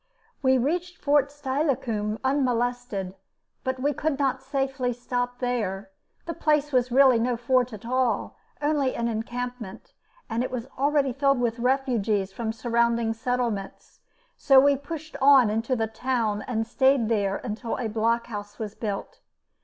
We reached Fort Steilacoom unmolested. But we could not in safety stop there. The place was really no fort at all, only an encampment, and it was already filled with refugees from the surrounding settlements. So we pushed on into the town and stayed there until a blockhouse was built.